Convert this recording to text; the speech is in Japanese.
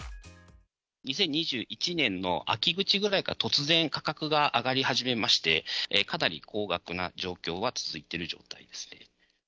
２０２１年の秋口ぐらいから突然、価格が上がり始めまして、かなり高額な状況は続いている状態ですね。